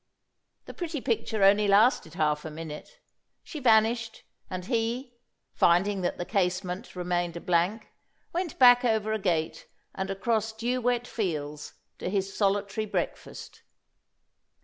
The pretty picture only lasted half a minute; she vanished, and he, finding that the casement remained a blank, went back over a gate, and across dew wet fields, to his solitary breakfast.